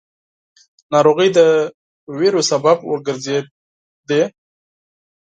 ناروغۍ د وېرو سبب وګرځېدې.